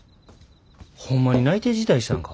ホンマに内定辞退したんか？